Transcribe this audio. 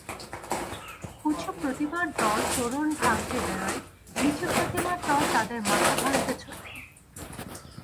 উঁচু-প্রতিমার দল তোরণ ভাঙতে বেরোয়, নিচু-প্রতিমার দল তাদের মাথা ভাঙতে ছোটে।